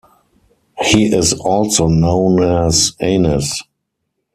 He is also known as Anis.